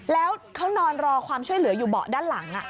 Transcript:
แล้วเขานอนรอความช่วยเหลืออยู่เบาะด้านหลัง